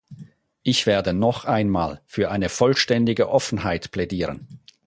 Ich werde noch einmal für eine vollständige Offenheit plädieren.